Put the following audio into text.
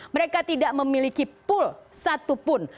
mereka tidak memiliki pool satupun